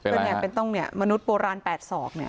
ก็เนี่ยเป็นต้องเนี่ยมนุษย์โบราณ๘ศอกเนี่ย